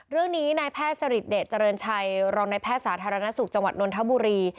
เรื่องนี้นายแพทย์สริทเดชเจริญชัยรองในแพทย์สาธารณสุขจังหวัดนนทบุรี